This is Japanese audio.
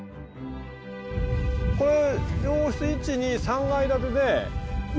これ。